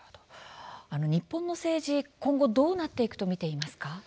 日本の政治今後どうなっていくと見ていますか。